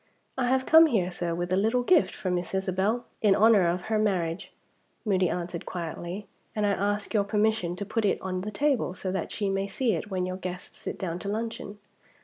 "I have come here, sir, with a little gift for Miss Isabel, in honor of her marriage," Moody answered quietly, "and I ask your permission to put it on the table, so that she may see it when your guests sit down to luncheon."